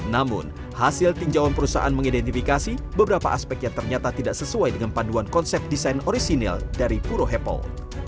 namun hasil tinjauan perusahaan mengidentifikasi beberapa aspek yang ternyata tidak sesuai dengan panduan konsep desain orisinil dari puro happle